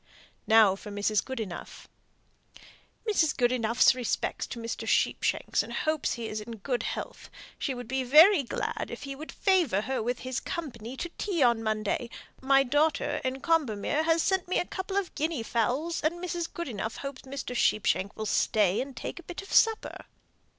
Now for Mrs. Goodenough. "Mrs. Goodenough's respects to Mr. Sheepshanks, and hopes he is in good health. She would be very glad if he would favour her with his company to tea on Monday. My daughter, in Combermere, has sent me a couple of guinea fowls, and Mrs. Goodenough hopes Mr. Sheepshanks will stay and take a bit of supper."